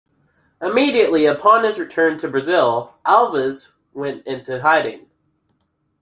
Immediately upon his return to Brazil, Alves went into hiding.